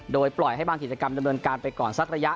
โดยปล่อยให้บางกิจกรรมดำเนินการไปก่อนสักระยะ